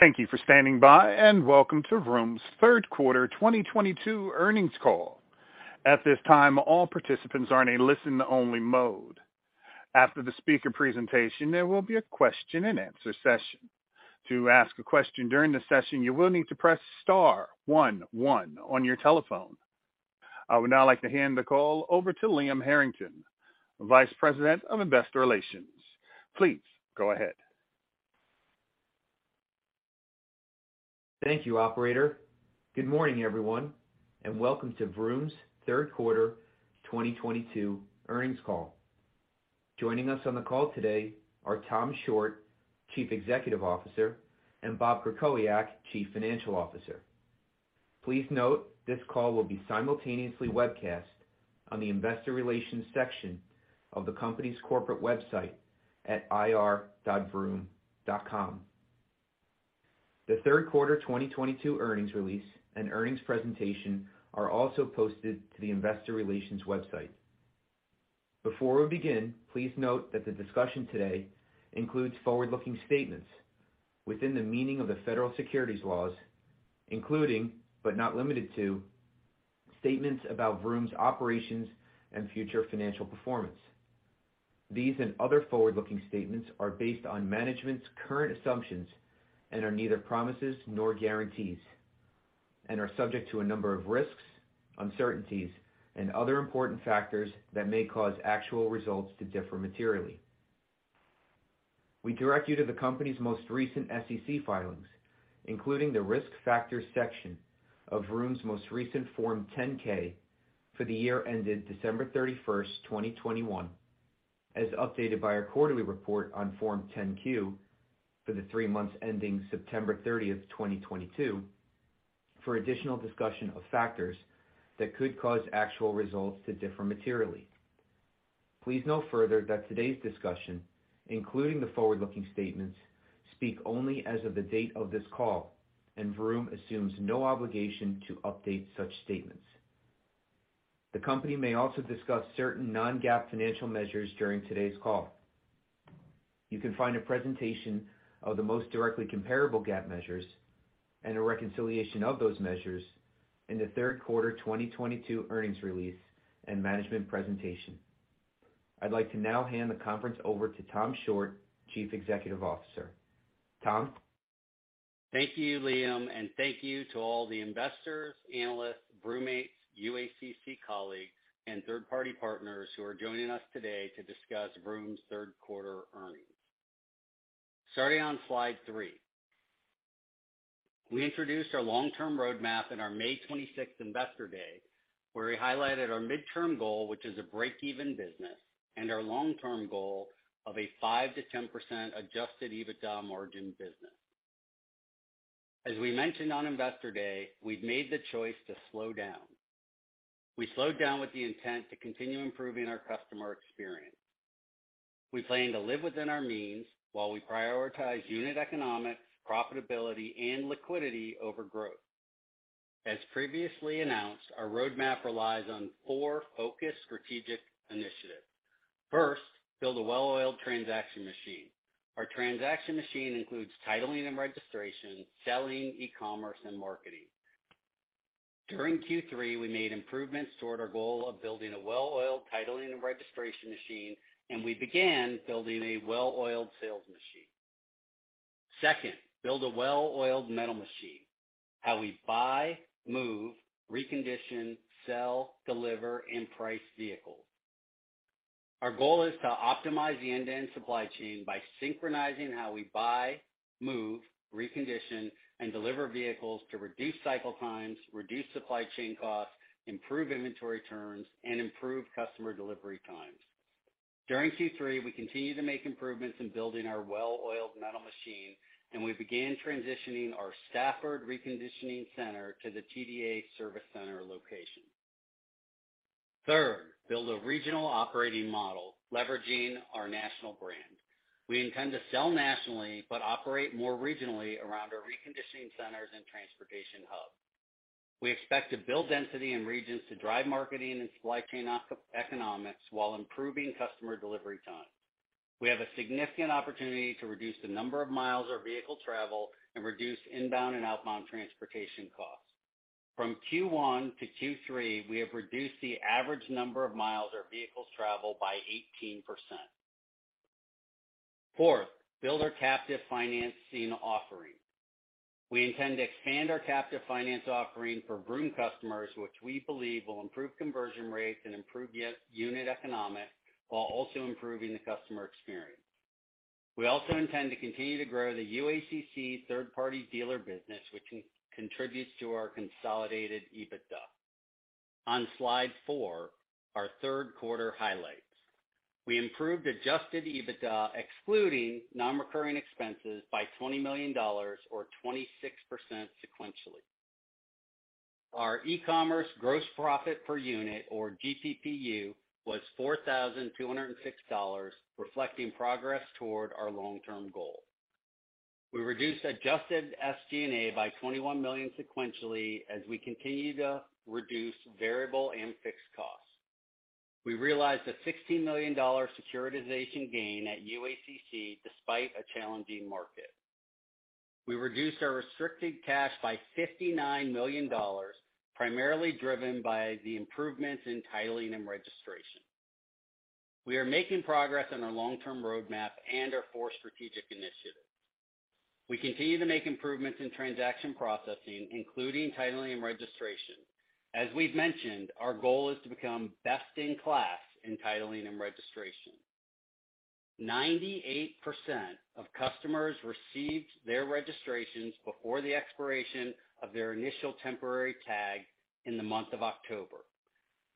Thank you for standing by. Welcome to Vroom's third quarter 2022 earnings call. At this time, all participants are in a listen-only mode. After the speaker presentation, there will be a question and answer session. To ask a question during the session, you will need to press star one one on your telephone. I would now like to hand the call over to Liam Harrington, Vice President of Investor Relations. Please go ahead. Thank you, operator. Good morning, everyone. Welcome to Vroom's third quarter 2022 earnings call. Joining us on the call today are Tom Shortt, Chief Executive Officer, and Bob Krakowiak, Chief Financial Officer. Please note, this call will be simultaneously webcast on the investor relations section of the company's corporate website at ir.vroom.com. The third quarter 2022 earnings release and earnings presentation are also posted to the investor relations website. Before we begin, please note that the discussion today includes forward-looking statements within the meaning of the federal securities laws, including, but not limited to, statements about Vroom's operations and future financial performance. Other forward-looking statements are based on management's current assumptions and are neither promises nor guarantees and are subject to a number of risks, uncertainties, and other important factors that may cause actual results to differ materially. We direct you to the company's most recent SEC filings, including the Risk Factors section of Vroom's most recent Form 10-K for the year ended December 31st, 2021, as updated by our quarterly report on Form 10-Q for the three months ending September 30th, 2022, for additional discussion of factors that could cause actual results to differ materially. Please note further that today's discussion, including the forward-looking statements, speak only as of the date of this call. Vroom assumes no obligation to update such statements. The company may also discuss certain non-GAAP financial measures during today's call. You can find a presentation of the most directly comparable GAAP measures and a reconciliation of those measures in the third quarter 2022 earnings release and management presentation. I'd like to now hand the conference over to Tom Shortt, Chief Executive Officer. Tom? Thank you, Liam. Thank you to all the investors, analysts, Vroommates, UACC colleagues, and third-party partners who are joining us today to discuss Vroom's third quarter earnings. Starting on slide three. We introduced our long-term roadmap in our May 26th Investor Day, where we highlighted our midterm goal, which is a break-even business, and our long-term goal of a 5%-10% adjusted EBITDA margin business. As we mentioned on Investor Day, we've made the choice to slow down. We slowed down with the intent to continue improving our customer experience. We plan to live within our means while we prioritize unit economics, profitability, and liquidity over growth. As previously announced, our roadmap relies on four focused strategic initiatives. First, build a well-oiled transaction machine. Our transaction machine includes titling and registration, selling, e-commerce, and marketing. During Q3, we made improvements toward our goal of building a well-oiled titling and registration machine. We began building a well-oiled sales machine. Second, build a well-oiled metal machine. How we buy, move, recondition, sell, deliver, and price vehicles. Our goal is to optimize the end-to-end supply chain by synchronizing how we buy, move, recondition, and deliver vehicles to reduce cycle times, reduce supply chain costs, improve inventory turns, and improve customer delivery times. During Q3, we continued to make improvements in building our well-oiled metal machine. We began transitioning our Stafford reconditioning center to the TDA service center location. Third, build a regional operating model leveraging our national brand. We intend to sell nationally, but operate more regionally around our reconditioning centers and transportation hubs. We expect to build density in regions to drive marketing and supply chain economics while improving customer delivery time. We have a significant opportunity to reduce the number of miles our vehicle travel and reduce inbound and outbound transportation costs. From Q1 to Q3, we have reduced the average number of miles our vehicles travel by 18%. Fourth, build our captive finance scene offering. We intend to expand our captive finance offering for Vroom customers, which we believe will improve conversion rates and improve unit economics while also improving the customer experience. We also intend to continue to grow the UACC third-party dealer business, which contributes to our consolidated EBITDA. On slide four, our third quarter highlights. We improved adjusted EBITDA, excluding non-recurring expenses by $20 million or 26% sequentially. Our e-commerce gross profit per unit or GPPU was $4,206, reflecting progress toward our long-term goal. We reduced adjusted SG&A by $21 million sequentially as we continue to reduce variable and fixed costs. We realized a $16 million securitization gain at UACC despite a challenging market. We reduced our restricted cash by $59 million, primarily driven by the improvements in titling and registration. We are making progress on our long-term roadmap and our four strategic initiatives. We continue to make improvements in transaction processing, including titling and registration. As we've mentioned, our goal is to become best in class in titling and registration. 98% of customers received their registrations before the expiration of their initial temporary tag in the month of October.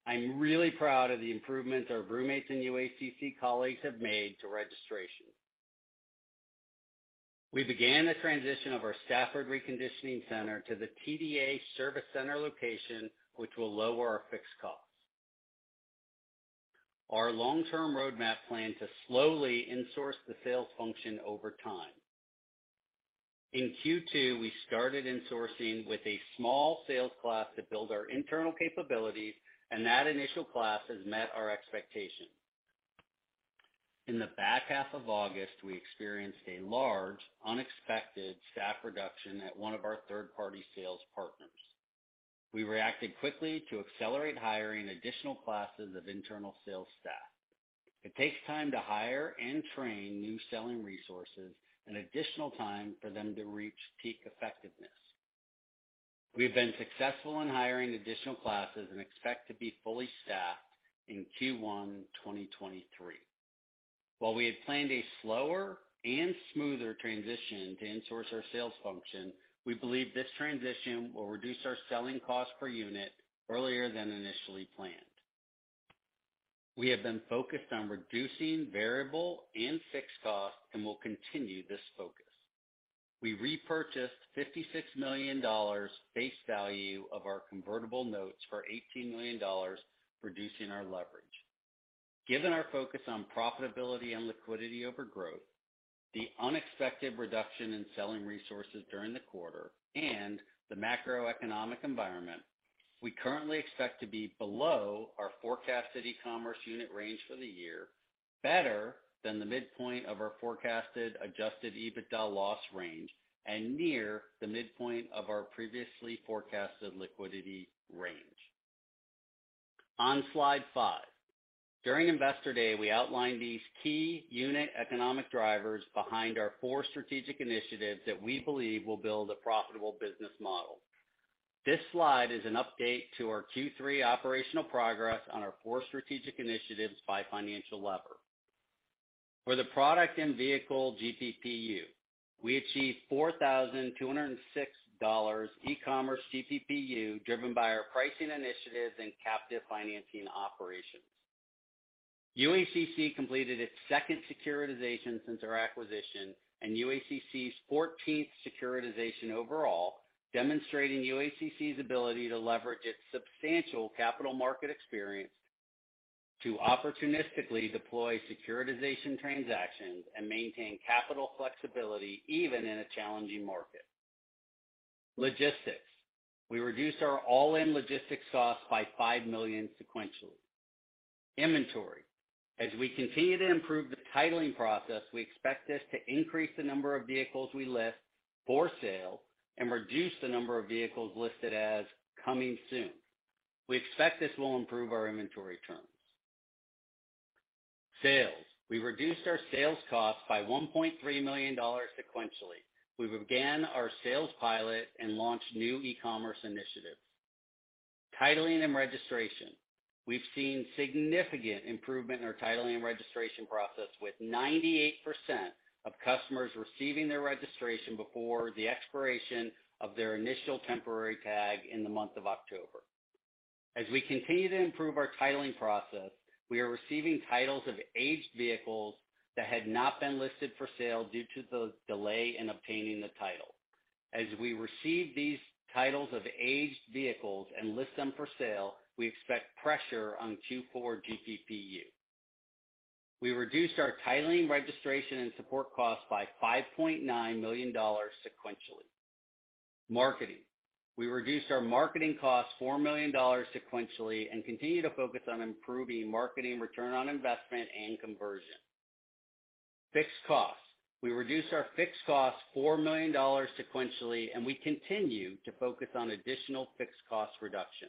I'm really proud of the improvements our Vroommates and UACC colleagues have made to registration. We began the transition of our Stafford reconditioning center to the TDA service center location, which will lower our fixed costs. Our long-term roadmap plan to slowly insource the sales function over time. In Q2, we started insourcing with a small sales class to build our internal capabilities. That initial class has met our expectations. In the back half of August, we experienced a large, unexpected staff reduction at one of our third-party sales partners. We reacted quickly to accelerate hiring additional classes of internal sales staff. It takes time to hire and train new selling resources. Additional time for them to reach peak effectiveness. We've been successful in hiring additional classes. We expect to be fully staffed in Q1 2023. While we had planned a slower and smoother transition to insource our sales function, we believe this transition will reduce our selling cost per unit earlier than initially planned. We have been focused on reducing variable and fixed costs. We will continue this focus. We repurchased $56 million face value of our convertible notes for $18 million, reducing our leverage. Given our focus on profitability and liquidity over growth, the unexpected reduction in selling resources during the quarter, and the macroeconomic environment, we currently expect to be below our forecasted e-commerce unit range for the year, better than the midpoint of our forecasted adjusted EBITDA loss range, and near the midpoint of our previously forecasted liquidity range. On slide five. During Investor Day, we outlined these key unit economic drivers behind our four strategic initiatives that we believe will build a profitable business model. This slide is an update to our Q3 operational progress on our four strategic initiatives by financial lever. For the product and vehicle GPPU, we achieved $4,206 e-commerce GPPU driven by our pricing initiatives and captive financing operations. UACC completed its second securitization since our acquisition, and UACC's 14th securitization overall, demonstrating UACC's ability to leverage its substantial capital market experience to opportunistically deploy securitization transactions and maintain capital flexibility, even in a challenging market. Logistics. We reduced our all-in logistics costs by $5 million sequentially. Inventory. As we continue to improve the titling process, we expect this to increase the number of vehicles we list for sale and reduce the number of vehicles listed as coming soon. We expect this will improve our inventory turns. Sales. We reduced our sales costs by $1.3 million sequentially. We began our sales pilot and launched new e-commerce initiatives. Titling and registration. We've seen significant improvement in our titling and registration process, with 98% of customers receiving their registration before the expiration of their initial temporary tag in the month of October. As we continue to improve our titling process, we are receiving titles of aged vehicles that had not been listed for sale due to the delay in obtaining the title. As we receive these titles of aged vehicles and list them for sale, we expect pressure on Q4 GPPU. We reduced our titling, registration, and support costs by $5.9 million sequentially. Marketing. We reduced our marketing costs $4 million sequentially and continue to focus on improving marketing return on investment and conversion. Fixed costs. We reduced our fixed costs $4 million sequentially, and we continue to focus on additional fixed cost reduction.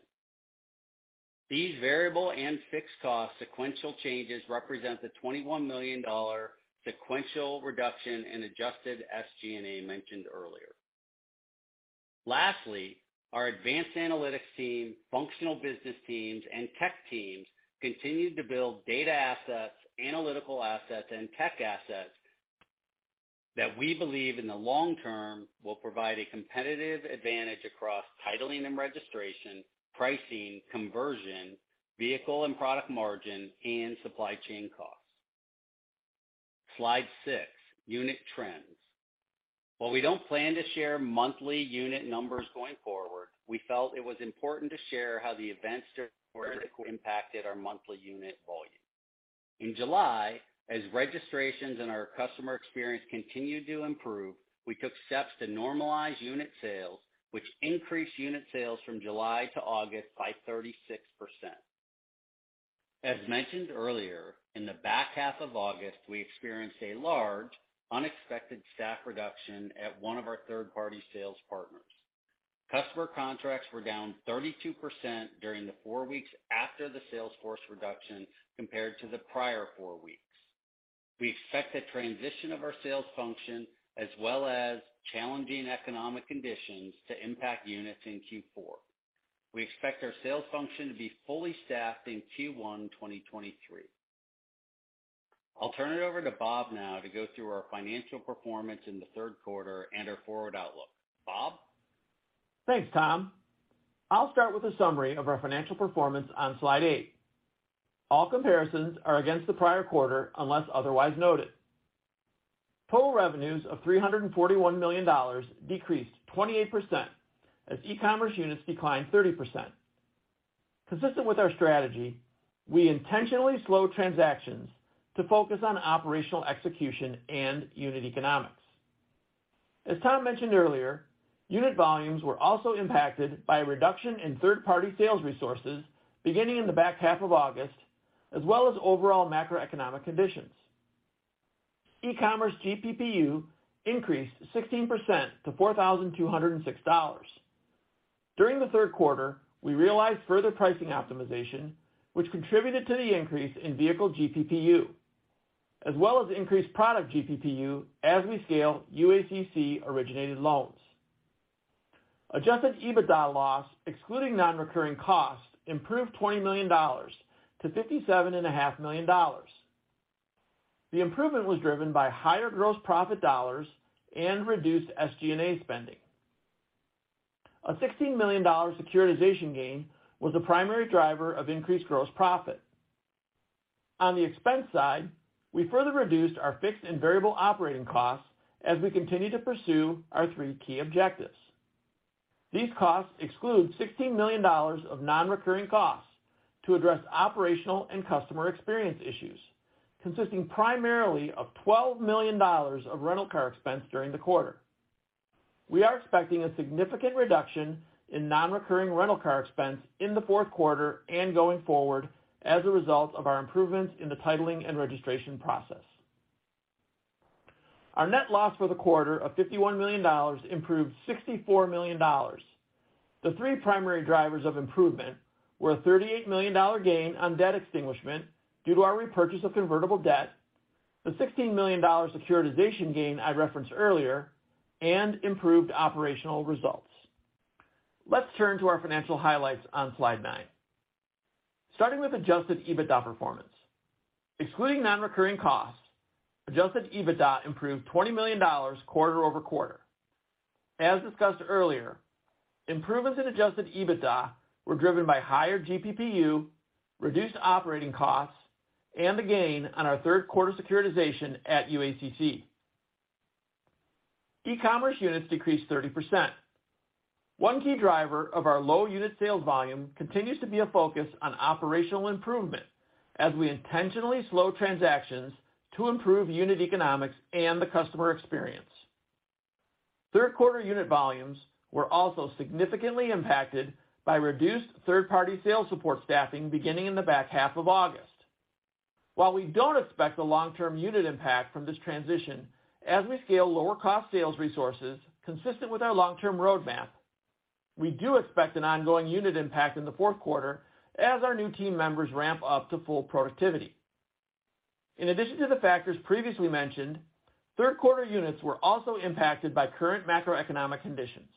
These variable and fixed cost sequential changes represent the $21 million sequential reduction in adjusted SG&A mentioned earlier. Lastly, our advanced analytics team, functional business teams, and tech teams continue to build data assets, analytical assets, and tech assets that we believe in the long term will provide a competitive advantage across titling and registration, pricing, conversion, vehicle and product margin, and supply chain costs. Slide six, unit trends. While we don't plan to share monthly unit numbers going forward, we felt it was important to share how the events during the quarter impacted our monthly unit. In July, as registrations and our customer experience continued to improve, we took steps to normalize unit sales, which increased unit sales from July to August by 36%. As mentioned earlier, in the back half of August, we experienced a large unexpected staff reduction at one of our third-party sales partners. Customer contracts were down 32% during the four weeks after the sales force reduction compared to the prior four weeks. We expect the transition of our sales function as well as challenging economic conditions to impact units in Q4. We expect our sales function to be fully staffed in Q1 2023. I'll turn it over to Bob now to go through our financial performance in the third quarter and our forward outlook. Bob? Thanks, Tom. I'll start with a summary of our financial performance on slide eight. All comparisons are against the prior quarter unless otherwise noted. Total revenues of $341 million decreased 28% as e-commerce units declined 30%. Consistent with our strategy, we intentionally slowed transactions to focus on operational execution and unit economics. As Tom mentioned earlier, unit volumes were also impacted by a reduction in third-party sales resources beginning in the back half of August, as well as overall macroeconomic conditions. E-commerce GPPU increased 16% to $4,206. During the third quarter, we realized further pricing optimization, which contributed to the increase in vehicle GPPU, as well as increased product GPPU as we scale UACC-originated loans. Adjusted EBITDA loss, excluding non-recurring costs, improved $20 million to $57.5 million. The improvement was driven by higher gross profit dollars and reduced SG&A spending. A $16 million securitization gain was the primary driver of increased gross profit. On the expense side, we further reduced our fixed and variable operating costs as we continue to pursue our three key objectives. These costs exclude $16 million of non-recurring costs to address operational and customer experience issues, consisting primarily of $12 million of rental car expense during the quarter. We are expecting a significant reduction in non-recurring rental car expense in the fourth quarter and going forward as a result of our improvements in the titling and registration process. Our net loss for the quarter of $51 million improved $64 million. The three primary drivers of improvement were a $38 million gain on debt extinguishment due to our repurchase of convertible debt, the $16 million securitization gain I referenced earlier, and improved operational results. Let's turn to our financial highlights on slide nine. Starting with Adjusted EBITDA performance. Excluding non-recurring costs, Adjusted EBITDA improved $20 million quarter-over-quarter. As discussed earlier, improvements in Adjusted EBITDA were driven by higher GPPU, reduced operating costs, and the gain on our third quarter securitization at UACC. E-commerce units decreased 30%. One key driver of our low unit sales volume continues to be a focus on operational improvement as we intentionally slow transactions to improve unit economics and the customer experience. Third quarter unit volumes were also significantly impacted by reduced third-party sales support staffing beginning in the back half of August. While we don't expect a long-term unit impact from this transition as we scale lower cost sales resources consistent with our long-term roadmap, we do expect an ongoing unit impact in the fourth quarter as our new team members ramp up to full productivity. In addition to the factors previously mentioned, third quarter units were also impacted by current macroeconomic conditions.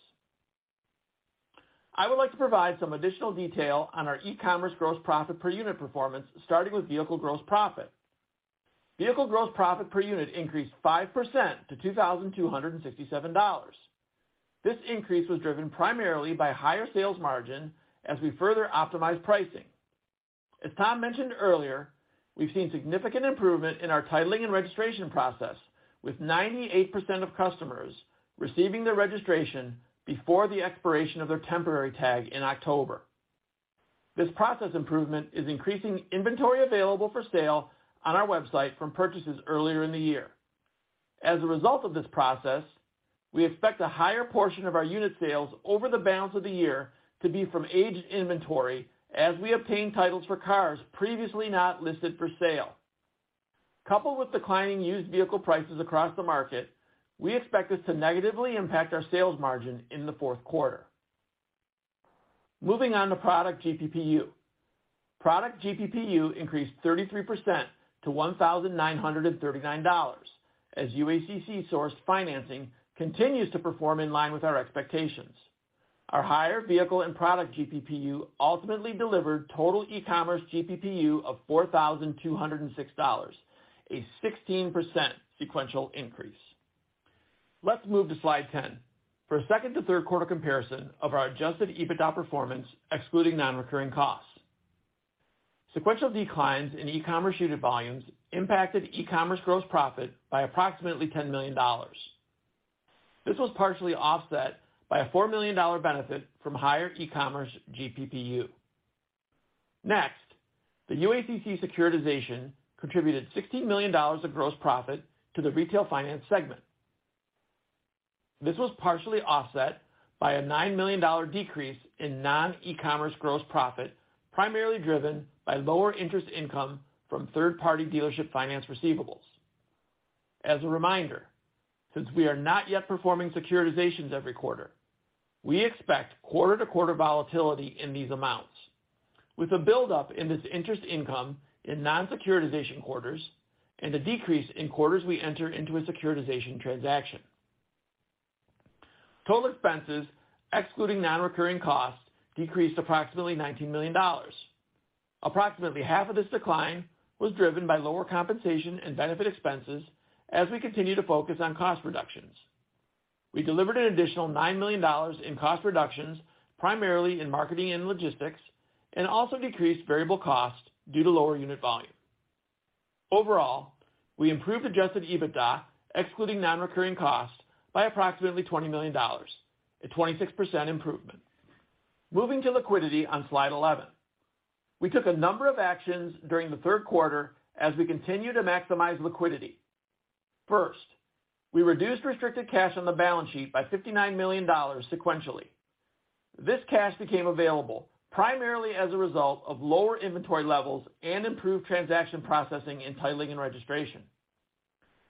I would like to provide some additional detail on our e-commerce gross profit per unit performance, starting with vehicle gross profit. Vehicle gross profit per unit increased 5% to $2,267. This increase was driven primarily by higher sales margin as we further optimize pricing. As Tom mentioned earlier, we've seen significant improvement in our titling and registration process, with 98% of customers receiving their registration before the expiration of their temporary tag in October. This process improvement is increasing inventory available for sale on our website from purchases earlier in the year. As a result of this process, we expect a higher portion of our unit sales over the balance of the year to be from aged inventory as we obtain titles for cars previously not listed for sale. Coupled with declining used vehicle prices across the market, we expect this to negatively impact our sales margin in the fourth quarter. Moving on to product GPPU. Product GPPU increased 33% to $1,939 as UACC-sourced financing continues to perform in line with our expectations. Our higher vehicle and product GPPU ultimately delivered total e-commerce GPPU of $4,206, a 16% sequential increase. Let's move to slide 10 for a second to third quarter comparison of our adjusted EBITDA performance, excluding non-recurring costs. Sequential declines in e-commerce unit volumes impacted e-commerce gross profit by approximately $10 million. This was partially offset by a $4 million benefit from higher e-commerce GPPU. The UACC securitization contributed $16 million of gross profit to the retail finance segment. This was partially offset by a $9 million decrease in non-e-commerce gross profit, primarily driven by lower interest income from third-party dealership finance receivables. As a reminder, since we are not yet performing securitizations every quarter, we expect quarter-to-quarter volatility in these amounts, with a buildup in this interest income in non-securitization quarters and a decrease in quarters we enter into a securitization transaction. Total expenses, excluding non-recurring costs, decreased approximately $19 million. Approximately half of this decline was driven by lower compensation and benefit expenses as we continue to focus on cost reductions. We delivered an additional $9 million in cost reductions, primarily in marketing and logistics, and also decreased variable costs due to lower unit volume. Overall, we improved adjusted EBITDA, excluding non-recurring costs, by approximately $20 million, a 26% improvement. Moving to liquidity on slide 11. We took a number of actions during the third quarter as we continue to maximize liquidity. First, we reduced restricted cash on the balance sheet by $59 million sequentially. This cash became available primarily as a result of lower inventory levels and improved transaction processing in titling and registration.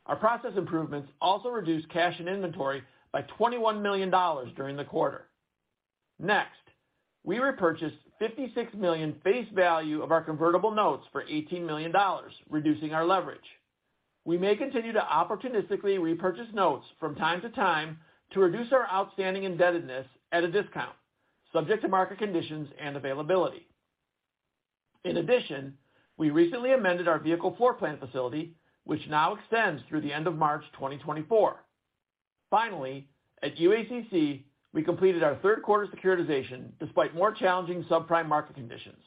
Our process improvements also reduced cash and inventory by $21 million during the quarter. We repurchased 56 million face value of our convertible notes for $18 million, reducing our leverage. We may continue to opportunistically repurchase notes from time to time to reduce our outstanding indebtedness at a discount subject to market conditions and availability. We recently amended our vehicle floor plan facility, which now extends through the end of March 2024. At UACC, we completed our third-quarter securitization despite more challenging subprime market conditions.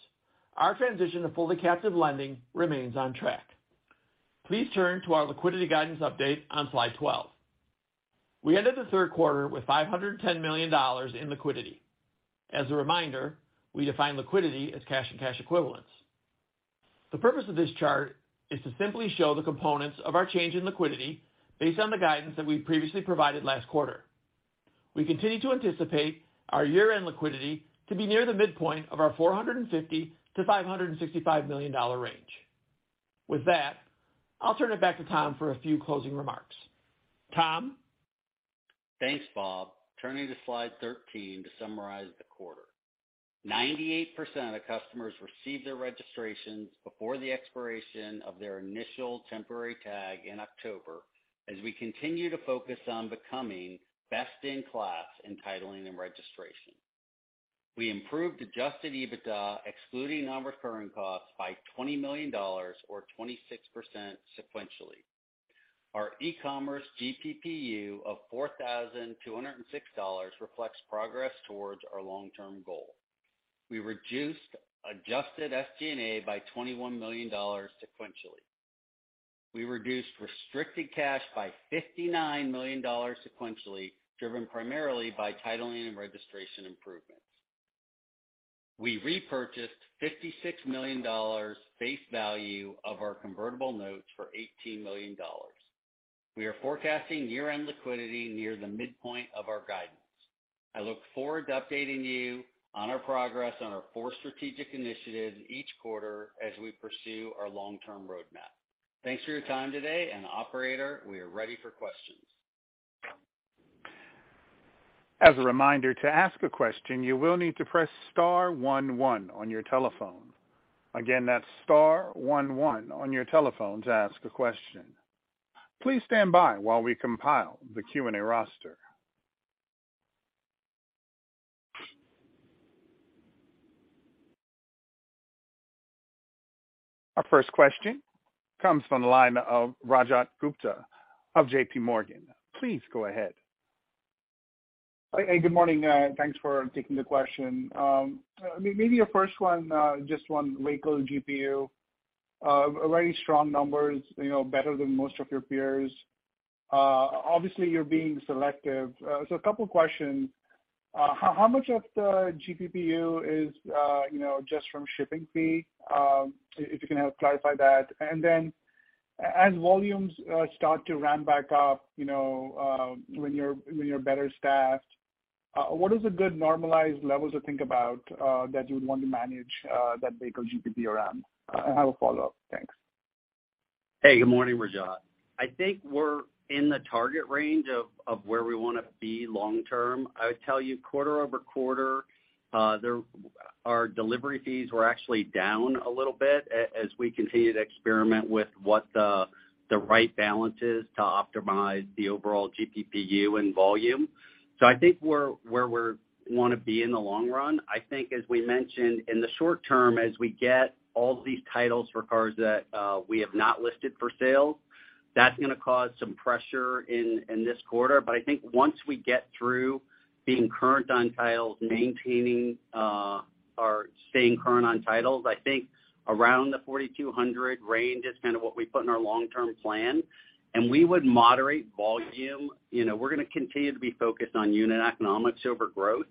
Our transition to fully captive lending remains on track. Please turn to our liquidity guidance update on slide 12. We ended the third quarter with $510 million in liquidity. As a reminder, we define liquidity as cash and cash equivalents. The purpose of this chart is to simply show the components of our change in liquidity based on the guidance that we previously provided last quarter. We continue to anticipate our year-end liquidity to be near the midpoint of our $450 million-$565 million range. With that, I'll turn it back to Tom for a few closing remarks. Tom? Thanks, Bob. Turning to slide 13 to summarize the quarter. 98% of customers received their registrations before the expiration of their initial temporary tag in October, as we continue to focus on becoming best-in-class in titling and registration. We improved adjusted EBITDA, excluding non-recurring costs, by $20 million or 26% sequentially. Our e-commerce GPPU of $4,206 reflects progress towards our long-term goal. We reduced adjusted SG&A by $21 million sequentially. We reduced restricted cash by $59 million sequentially, driven primarily by titling and registration improvements. We repurchased $56 million face value of our convertible notes for $18 million. We are forecasting year-end liquidity near the midpoint of our guidance. I look forward to updating you on our progress on our four strategic initiatives each quarter as we pursue our long-term roadmap. Thanks for your time today, and operator, we are ready for questions. As a reminder, to ask a question, you will need to press star one one on your telephone. Again, that's star one one on your telephone to ask a question. Please stand by while we compile the Q&A roster. Our first question comes from the line of Rajat Gupta of JPMorgan. Please go ahead. Hey, good morning. Thanks for taking the question. Maybe a first one just on vehicle GPPU. Very strong numbers, better than most of your peers. Obviously, you're being selective. A couple questions. How much of the GPPU is just from shipping fee? If you can help clarify that. As volumes start to ramp back up when you're better staffed, what is a good normalized level to think about that you would want to manage that vehicle GPPU around? I have a follow-up. Thanks. Hey, good morning, Rajat. I think we're in the target range of where we want to be long term. I would tell you quarter-over-quarter, our delivery fees were actually down a little bit as we continue to experiment with what the right balance is to optimize the overall GPPU and volume. I think we're where we want to be in the long run. I think as we mentioned, in the short term, as we get all these titles for cars that we have not listed for sale, that's going to cause some pressure in this quarter. I think once we get through being current on titles, maintaining or staying current on titles, I think around the 4,200 range is kind of what we put in our long-term plan. We would moderate volume. We're going to continue to be focused on unit economics over growth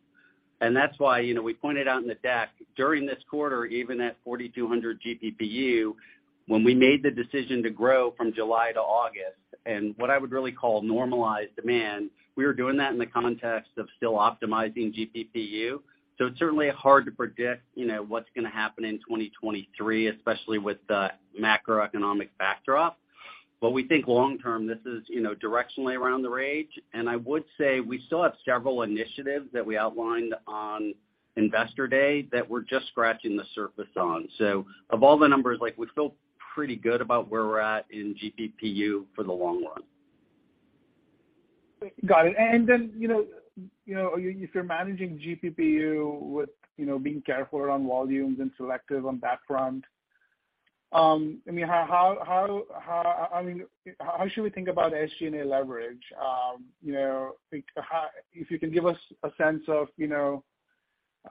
That's why we pointed out in the deck, during this quarter, even at 4,200 GPPU, when we made the decision to grow from July to August, and what I would really call normalized demand, we were doing that in the context of still optimizing GPPU. It's certainly hard to predict what's going to happen in 2023, especially with the macroeconomic backdrop. We think long-term, this is directionally around the range. I would say we still have several initiatives that we outlined on Investor Day that we're just scratching the surface on. Of all the numbers, we feel pretty good about where we're at in GPPU for the long run. Got it. If you're managing GPPU with being careful around volumes and selective on that front, how should we think about SG&A leverage? If you can give us a sense of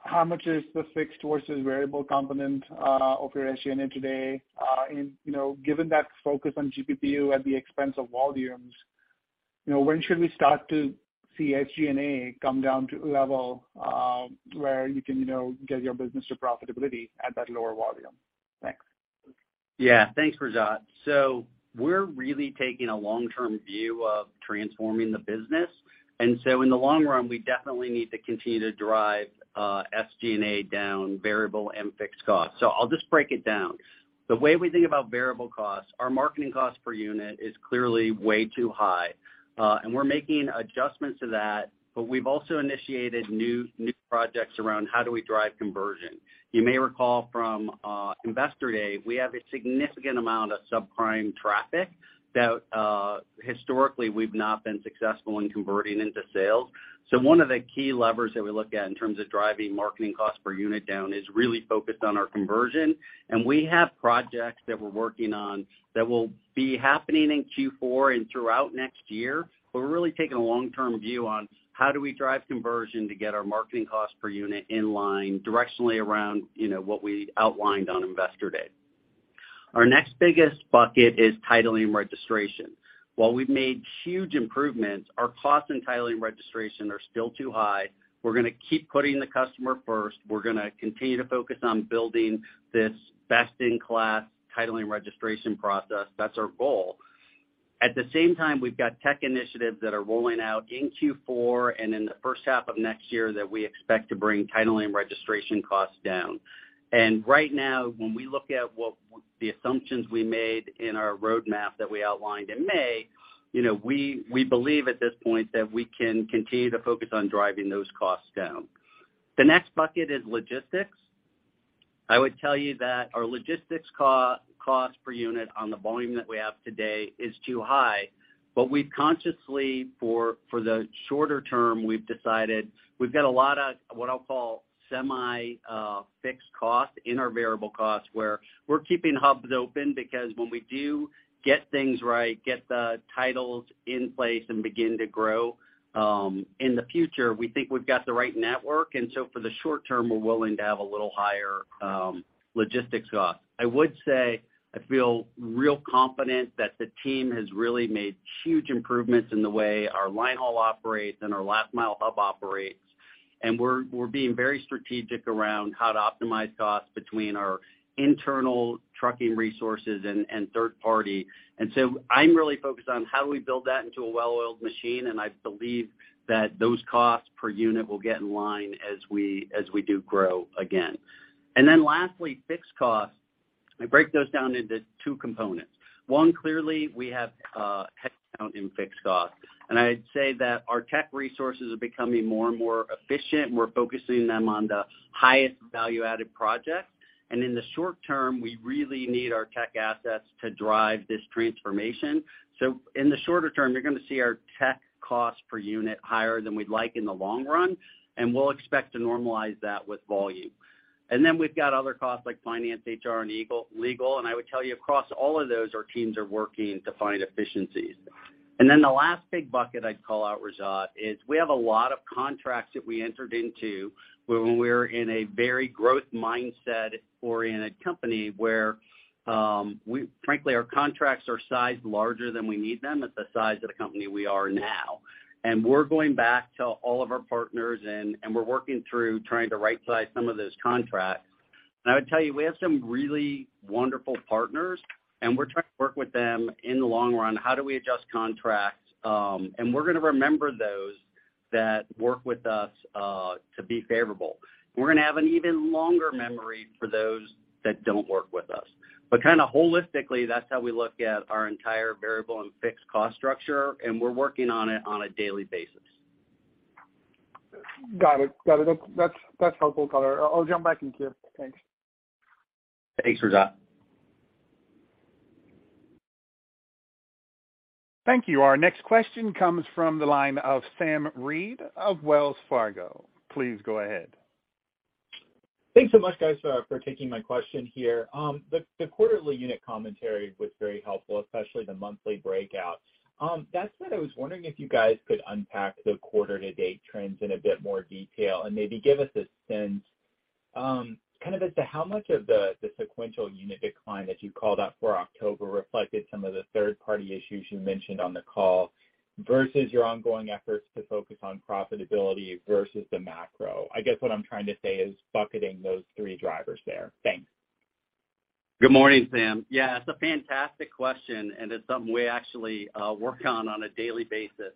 how much is the fixed versus variable component of your SG&A today. Given that focus on GPPU at the expense of volumes, when should we start to see SG&A come down to a level where you can get your business to profitability at that lower volume? Thanks. Yeah. Thanks, Rajat. We're really taking a long-term view of transforming the business. In the long run, we definitely need to continue to drive SG&A down, variable and fixed costs. I'll just break it down. The way we think about variable costs, our marketing cost per unit is clearly way too high. We're making adjustments to that, but we've also initiated new projects around how do we drive conversion. You may recall from Investor Day, we have a significant amount of subprime traffic that historically we've not been successful in converting into sales. One of the key levers that we look at in terms of driving marketing cost per unit down is really focused on our conversion. We have projects that we're working on that will be happening in Q4 and throughout next year. We're really taking a long-term view on how do we drive conversion to get our marketing cost per unit in line directionally around what we outlined on Investor Day. Our next biggest bucket is titling and registration. While we've made huge improvements, our costs in titling and registration are still too high. We're going to keep putting the customer first. We're going to continue to focus on building this best-in-class titling registration process. That's our goal. At the same time, we've got tech initiatives that are rolling out in Q4 and in the first half of next year that we expect to bring titling registration costs down. Right now, when we look at the assumptions we made in our roadmap that we outlined in May, we believe at this point that we can continue to focus on driving those costs down. The next bucket is logistics. I would tell you that our logistics cost per unit on the volume that we have today is too high. We've consciously, for the shorter term, we've decided we've got a lot of what I'll call semi-fixed cost in our variable cost, where we're keeping hubs open because when we do get things right, get the titles in place, and begin to grow in the future, we think we've got the right network. For the short term, we're willing to have a little higher logistics cost. I would say I feel real confident that the team has really made huge improvements in the way our linehaul operates and our last mile hub operates. We're being very strategic around how to optimize costs between our internal trucking resources and third party. I'm really focused on how do we build that into a well-oiled machine, and I believe that those costs per unit will get in line as we do grow again. Lastly, fixed costs. I break those down into two components. One, clearly, we have headcount in fixed costs. I'd say that our tech resources are becoming more and more efficient, and we're focusing them on the highest value-added projects. In the short term, we really need our tech assets to drive this transformation. In the shorter term, you're going to see our tech cost per unit higher than we'd like in the long run, and we'll expect to normalize that with volume. We've got other costs like finance, HR, and legal. I would tell you across all of those, our teams are working to find efficiencies. The last big bucket I'd call out, Rajat, is we have a lot of contracts that we entered into when we were in a very growth mindset-oriented company, where frankly, our contracts are sized larger than we need them at the size of the company we are now. We're going back to all of our partners, and we're working through trying to right size some of those contracts. I would tell you, we have some really wonderful partners, and we're trying to work with them in the long run, how do we adjust contracts? We're going to remember those that work with us to be favorable. We're going to have an even longer memory for those that don't work with us. Holistically, that's how we look at our entire variable and fixed cost structure, and we're working on it on a daily basis. Got it. That's helpful, Tyler. I'll jump back in queue. Thanks. Thanks, Rajat. Thank you. Our next question comes from the line of Sam Reid of Wells Fargo. Please go ahead. Thanks so much, guys, for taking my question here. The quarterly unit commentary was very helpful, especially the monthly breakout. That said, I was wondering if you guys could unpack the quarter-to-date trends in a bit more detail and maybe give us a sense kind of as to how much of the sequential unit decline that you called out for October reflected some of the third-party issues you mentioned on the call, versus your ongoing efforts to focus on profitability versus the macro? I guess what I'm trying to say is bucketing those three drivers there. Thanks. Good morning, Sam. It's a fantastic question, it's something we actually work on a daily basis.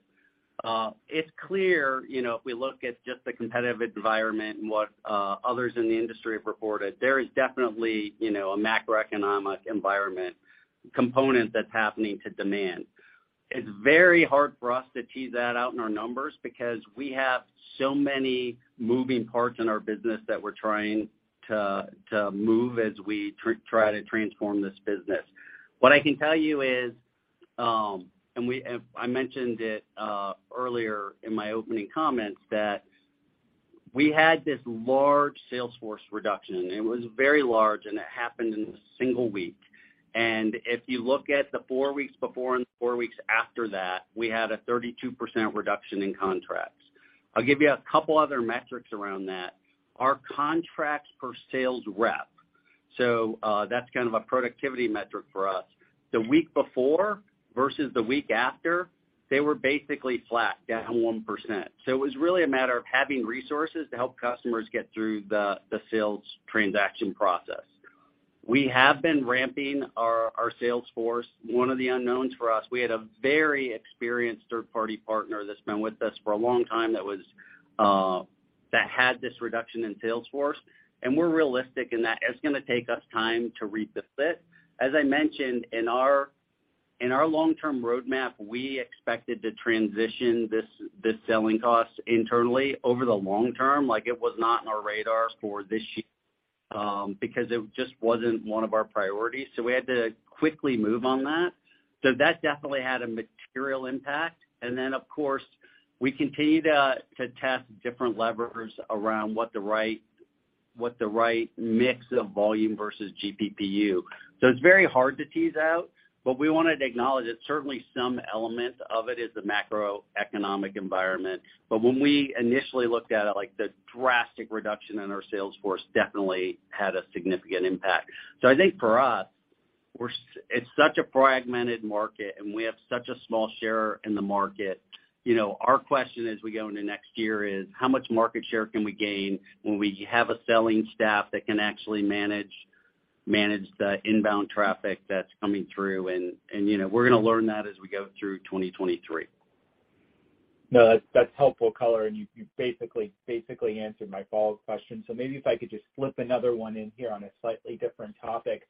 It's clear, if we look at just the competitive environment and what others in the industry have reported, there is definitely a macroeconomic environment component that's happening to demand. It's very hard for us to tease that out in our numbers because we have so many moving parts in our business that we're trying to move as we try to transform this business. What I can tell you is, I mentioned it earlier in my opening comments, that we had this large sales force reduction, it was very large, it happened in a single week. If you look at the four weeks before and the four weeks after that, we had a 32% reduction in contracts. I'll give you a couple other metrics around that. Our contracts per sales rep, that's kind of a productivity metric for us. The week before versus the week after, they were basically flat, down 1%. It was really a matter of having resources to help customers get through the sales transaction process. We have been ramping our sales force. One of the unknowns for us, we had a very experienced third-party partner that's been with us for a long time that had this reduction in sales force. We're realistic in that it's going to take us time to reset. As I mentioned, in our long-term roadmap, we expected to transition this selling cost internally over the long term. It was not in our radar for this year, because it just wasn't one of our priorities. We had to quickly move on that. That definitely had a material impact. Of course, we continue to test different levers around what the right mix of volume versus GPPU. It's very hard to tease out, we wanted to acknowledge that certainly some element of it is the macroeconomic environment. When we initially looked at it, the drastic reduction in our sales force definitely had a significant impact. I think for us, it's such a fragmented market, we have such a small share in the market. Our question as we go into next year is how much market share can we gain when we have a selling staff that can actually manage the inbound traffic that's coming through? We're going to learn that as we go through 2023. That's helpful color, you basically answered my follow-up question. Maybe if I could just slip another one in here on a slightly different topic.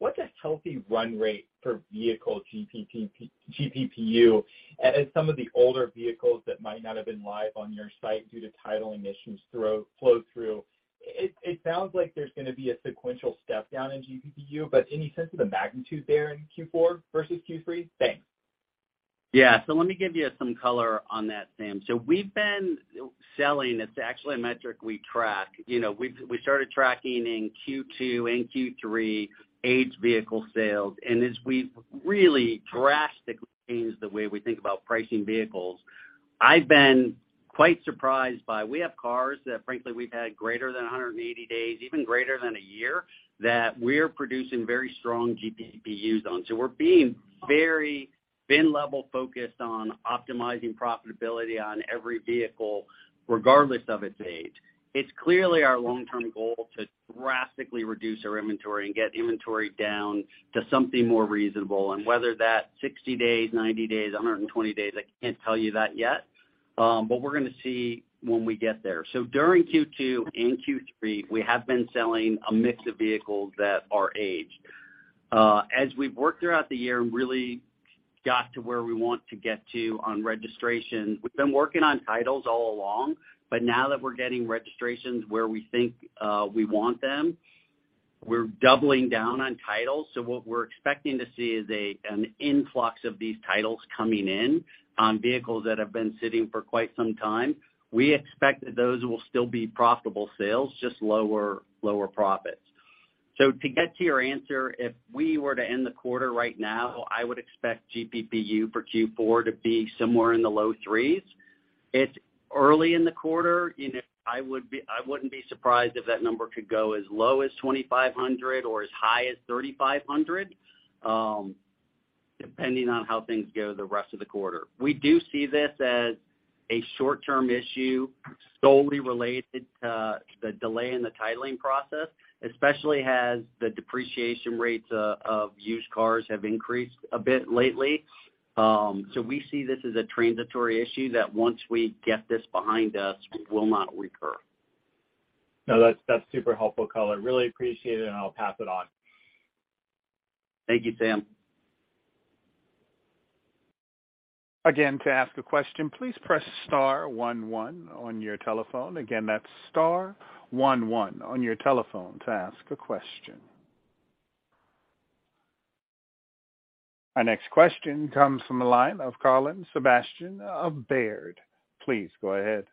What's a healthy run rate for vehicle GPPU as some of the older vehicles that might not have been live on your site due to titling issues flow through? It sounds like there's going to be a sequential step down in GPPU, but any sense of the magnitude there in Q4 versus Q3? Thanks. Yeah. Let me give you some color on that, Sam. We've been selling, it's actually a metric we track. We started tracking in Q2 and Q3 aged vehicle sales. As we've really drastically changed the way we think about pricing vehicles, I've been quite surprised by. We have cars that frankly, we've had greater than 180 days, even greater than a year, that we're producing very strong GPPUs on. We're being very bin-level focused on optimizing profitability on every vehicle, regardless of its age. It's clearly our long-term goal to drastically reduce our inventory and get inventory down to something more reasonable. Whether that's 60 days, 90 days, 120 days, I can't tell you that yet. We're going to see when we get there. During Q2 and Q3, we have been selling a mix of vehicles that are aged. As we've worked throughout the year and really got to where we want to get to on registration, we've been working on titles all along. Now that we're getting registrations where we think we want them, we're doubling down on titles. What we're expecting to see is an influx of these titles coming in on vehicles that have been sitting for quite some time. We expect that those will still be profitable sales, just lower profits. To get to your answer, if we were to end the quarter right now, I would expect GPPU for Q4 to be somewhere in the low threes. It's early in the quarter, and I wouldn't be surprised if that number could go as low as 2,500 or as high as 3,500, depending on how things go the rest of the quarter. We do see this as a short-term issue solely related to the delay in the titling process, especially as the depreciation rates of used cars have increased a bit lately. We see this as a transitory issue that once we get this behind us, will not recur. No, that's super helpful color. Really appreciate it, and I'll pass it on. Thank you, Sam. Again, to ask a question, please press *11 on your telephone. Again, that's *11 on your telephone to ask a question. Our next question comes from the line of Colin Sebastian of Baird. Please go ahead.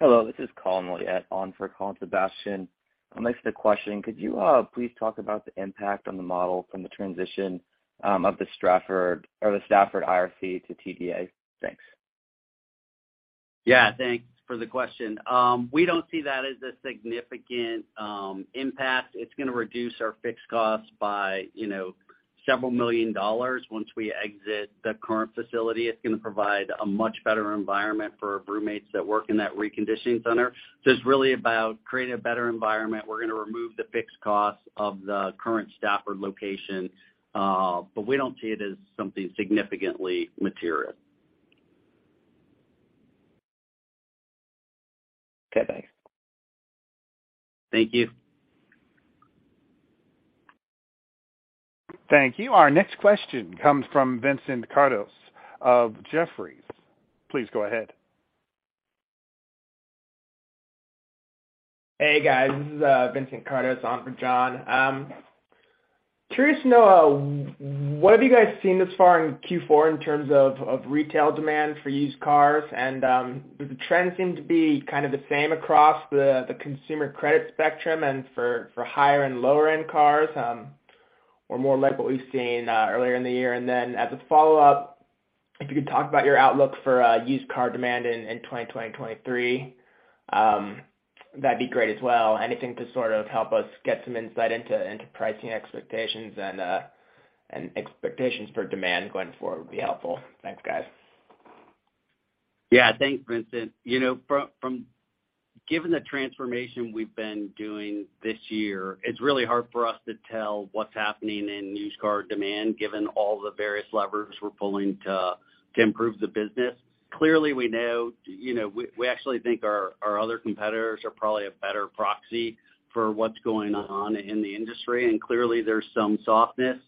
Hello, this is Colin. Well, yeah, on for Colin Sebastian I'll mix the question. Could you please talk about the impact on the model from the transition of the Stafford IRC to TDA? Thanks. Yeah. Thanks for the question. We don't see that as a significant impact. It's going to reduce our fixed costs by several million dollars once we exit the current facility. It's going to provide a much better environment for Vroommates that work in that reconditioning center. It's really about creating a better environment. We're going to remove the fixed costs of the current Stafford location. We don't see it as something significantly material. Okay. Thanks. Thank you. Thank you. Our next question comes from Vincent Caintic of Jefferies. Please go ahead. Hey, guys. This is Vincent Caintic on for John. Curious to know, what have you guys seen thus far in Q4 in terms of retail demand for used cars, and do the trends seem to be kind of the same across the consumer credit spectrum and for higher and lower-end cars? Or more like what we've seen earlier in the year? Then as a follow-up, if you could talk about your outlook for used car demand in 2023, that'd be great as well. Anything to sort of help us get some insight into pricing expectations and expectations for demand going forward would be helpful. Thanks, guys. Yeah. Thanks, Vincent. Given the transformation we've been doing this year, it's really hard for us to tell what's happening in used car demand, given all the various levers we're pulling to improve the business. Clearly, we actually think our other competitors are probably a better proxy for what's going on in the industry, clearly there's some softness.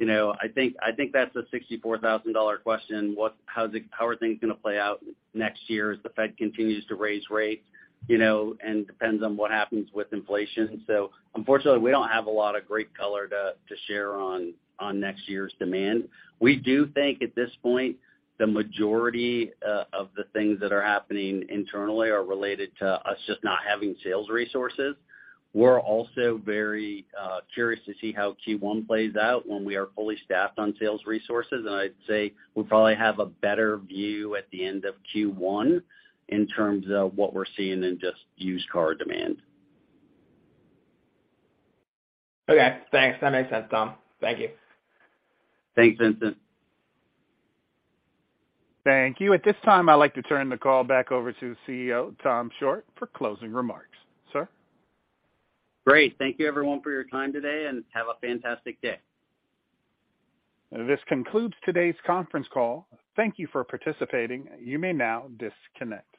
I think that's a $64,000 question. How are things going to play out next year as the Fed continues to raise rates, it depends on what happens with inflation. Unfortunately, we don't have a lot of great color to share on next year's demand. We do think at this point, the majority of the things that are happening internally are related to us just not having sales resources. We're also very curious to see how Q1 plays out when we are fully staffed on sales resources. I'd say we'll probably have a better view at the end of Q1 in terms of what we're seeing in just used car demand. Okay, thanks. That makes sense, Tom. Thank you. Thanks, Vincent. Thank you. At this time, I'd like to turn the call back over to CEO, Tom Shortt, for closing remarks. Sir? Great. Thank you everyone for your time today, and have a fantastic day. This concludes today's conference call. Thank you for participating. You may now disconnect.